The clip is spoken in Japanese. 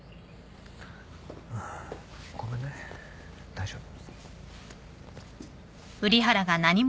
ごめんね大丈夫？